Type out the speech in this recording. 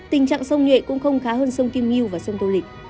tình trạng sông nhuệ cũng không khá hơn sông kim liêu và sông tô lịch